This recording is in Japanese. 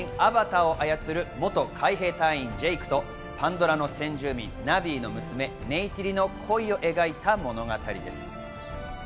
自分の分身・アバターを操る元海兵隊員・ジェイクとパンドラの先住民ナヴィの娘・ネイティリの恋を描いた物語です。